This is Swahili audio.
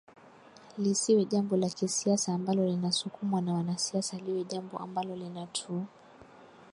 lisiwe jambo la kisiasa ambalo linasukumwa na wanasiasa liwe jambo ambalo linatu